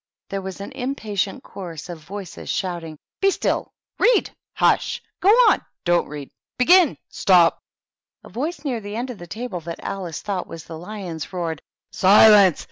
There was an impatient chorus of voices shouting, —" Be stm I" " Read !"" Hush !"" Go on !" ''Don't read !" Begin !" Stop !" A voice near the end of the table that Alice thought was the Lion's roared, "Silence!